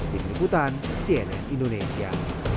tim liputan cnn indonesia